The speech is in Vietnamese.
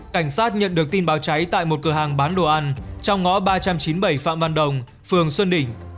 cảnh sát nhận được tin báo cháy tại một cửa hàng bán đồ ăn trong ngõ ba trăm chín mươi bảy phạm văn đồng phường xuân đỉnh